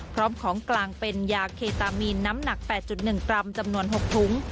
พร้อมของกลางเป็นยาเคตามีนน้ำหนัก๘๑กรัมจำนวน๖ถุง